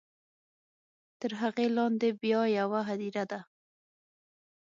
تر هغې لاندې بیا یوه هدیره ده.